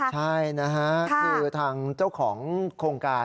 ใช่นะฮะคือทางเจ้าของโครงการ